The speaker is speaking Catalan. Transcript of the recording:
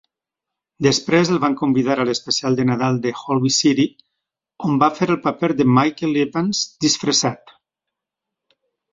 Després el van convidar a l'especial de Nadal de "Holby City", on va fer el paper de Michael Evans disfressat.